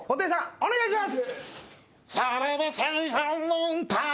お願いします。